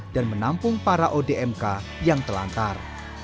dan menampung para odmk yang telantar